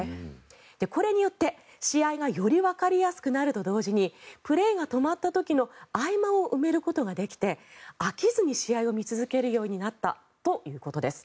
これによって試合がよりわかりやすくなるのと同時にプレーが止まった時の合間を埋めることができて飽きずに試合を見続けることができるようになったということです。